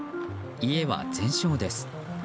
家は全焼です。